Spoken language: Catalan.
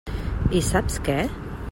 I saps què?